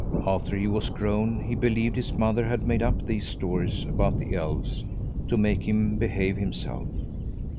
After he was grown he believed his mother had made up these stories about the elves to make him behave himself.